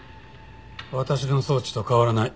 私の装置と変わらない。